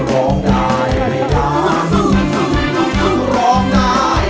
ร้องได้ร้องได้ร้องได้